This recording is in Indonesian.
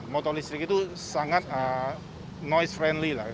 motor listrik itu sangat noise friendly lah